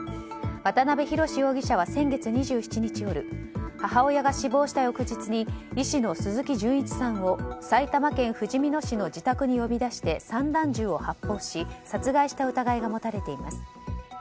渡辺宏容疑者は先月２７日夜母親が死亡した翌日に医師の鈴木純一さんを埼玉県ふじみ野市の自宅に呼び出して散弾銃を発砲し、殺害した疑いが持たれています。